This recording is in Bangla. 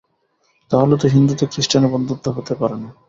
তা হলে তো হিন্দুতে খৃস্টানে বন্ধুত্বও হতে পারে না।